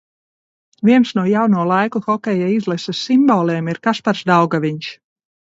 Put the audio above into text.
Viens no jauno laiku hokeja izlases simboliem ir Kaspars Daugaviņš.